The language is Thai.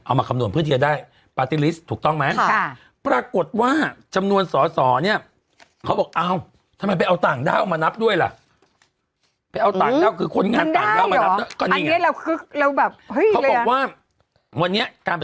เอามาคำนวณพื้นที่จะได้